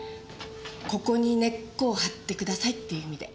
ここに根っこを張ってくださいっていう意味で。